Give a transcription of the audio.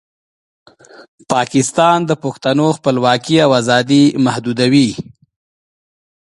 پاکستان د پښتنو خپلواکۍ او ازادۍ محدودوي.